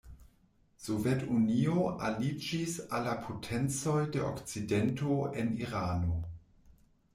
Sovetunio aliĝis al la potencoj de Okcidento en Irano.